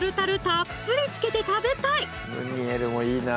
たっぷり付けて食べたい！